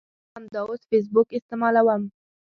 زه همداوس فیسبوک استعمالوم